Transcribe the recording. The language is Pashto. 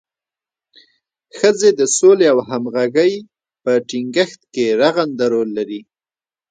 ښځې د سولې او همغږۍ په ټینګښت کې رغنده رول لري.